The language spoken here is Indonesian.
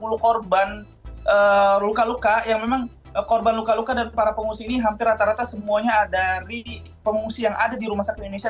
sepuluh korban luka luka yang memang korban luka luka dan para pengungsi ini hampir rata rata semuanya dari pengungsi yang ada di rumah sakit indonesia